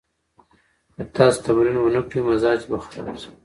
که تاسو تمرین ونه کړئ، مزاج به خراب شي.